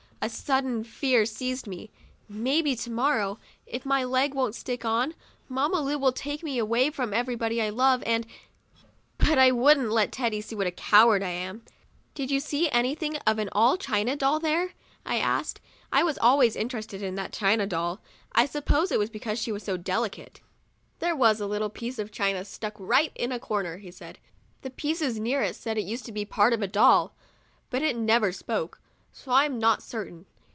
A sudden fear seized me. Maybe, to morrow, if my leg won't stick on, Mamma Lu will take me away from everybody I love and — But I wouldn't let Teddy see what a coward I am. 'Did you see anything of an all china doll there?" I asked. I was always interested in that china doll, I suppose because she was so delicate. 79 THE DIARY OF A BIRTHDAY DOLL "There was a little piece of china stuck right in a corner," he said. "The pieces near it said it used to be part of a doll ; but it never spoke, so I'm not certain.